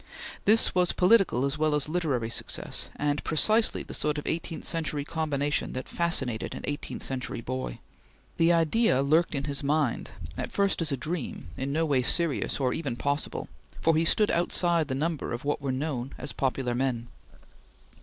This was political as well as literary success, and precisely the sort of eighteenth century combination that fascinated an eighteenth century boy. The idea lurked in his mind, at first as a dream, in no way serious or even possible, for he stood outside the number of what were known as popular men.